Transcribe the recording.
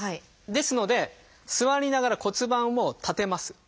ですので座りながら骨盤を立てます。